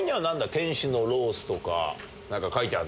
「天使のロース」とか書いてある。